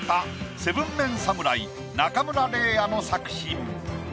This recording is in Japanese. ７ＭＥＮ侍・中村嶺亜の作品。